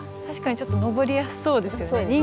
確かにちょっと登りやすそうですよね。